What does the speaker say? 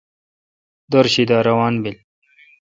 دِر شی دا روان بیل۔